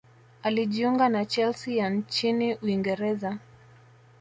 akajiunga na chelsea ya nchini uingereza